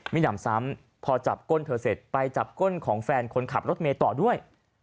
มีหนำซ้ำพอจับก้นเธอเสร็จไปจับก้นของแฟนคนขับรถเมย์ต่อด้วย